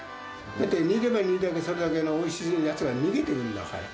煮れば煮るだけそれだけのおいしいやつが逃げていくんだから。